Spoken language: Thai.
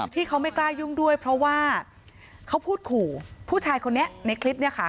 ที่เขาไม่กล้ายุ่งด้วยเพราะว่าเขาพูดขู่ผู้ชายคนนี้ในคลิปเนี่ยค่ะ